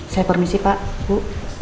saya permisi pak bu